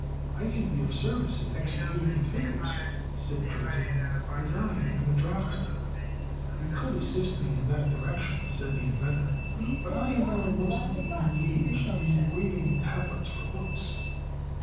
"I can be of service in executing the figures," said Dritzhn, "as I am a draughtsman." "You could assist me in that direction," said the inventor; "but I am now mostly engaged in engraving tablets for books."